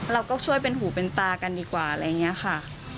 เราก็ช่วยเป็นหูเป็นตากันดีกว่าอะไรอย่างนี้ค่ะ